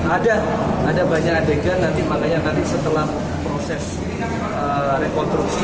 ada ada banyak adegan nanti makanya nanti setelah proses rekonstruksi